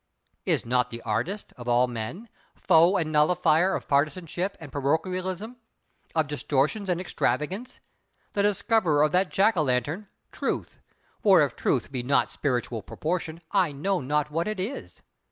Is not the artist, of all men, foe and nullifier of partisanship and parochialism, of distortions and extravagance, the discoverer of that jack o' lantern—Truth; for, if Truth be not Spiritual Proportion I know not what it is.